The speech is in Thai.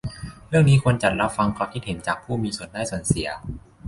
เรื่องนี้ควรจัดรับฟังความคิดเห็นจากผู้มีส่วนได้ส่วนเสีย